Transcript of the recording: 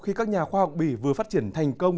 khi các nhà khoa học bỉ vừa phát triển thành công